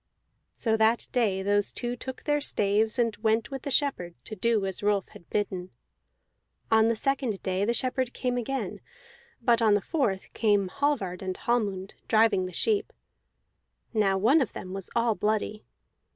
So that day those two took their staves, and went with the shepherd to do as Rolf had bidden. On the second day the shepherd came again; but on the fourth came Hallvard and Hallmund, driving the sheep. Now one of them was all bloody.